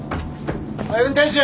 おい運転手！